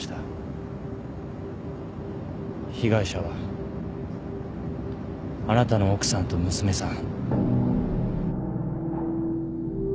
被害者はあなたの奥さんと娘さん。